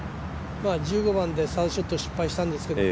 １５番でサードショット失敗したんですけど